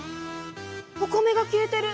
お米が消えてる⁉